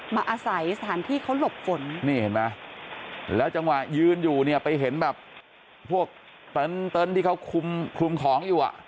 มาอาศัยสถานที่เขาหลบฝน